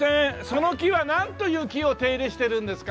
その木はなんという木を手入れしているんですか？